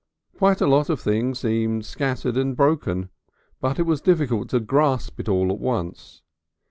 Quite a lot of things seemed scattered and broken, but it was difficult to grasp it all at once.